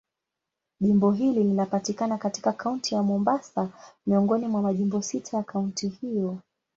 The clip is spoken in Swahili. Jimbo hili linapatikana katika Kaunti ya Mombasa, miongoni mwa majimbo sita ya kaunti hiyo.